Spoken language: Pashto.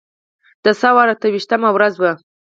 د ثور اته ویشتمه ورځ وه.